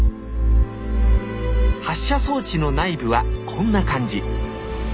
発射装置の内部はこんな感じ。